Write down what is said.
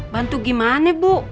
bantu gimana bu